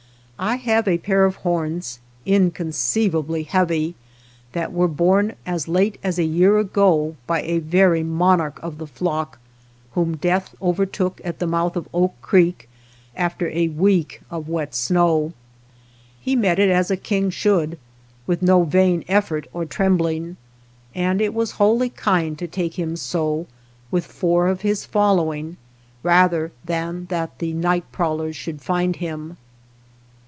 I have a pair of horns, inconceivably heavy, that were borne as late as a year ago by a very monarch of the flock whom death over took at the mouth of Oak Creek after a^ week of wet snow. He met it as a king should, with no vain effort or trembling, and it was wholly kind to take him so with four of his following rather than that the night prowlers should find him.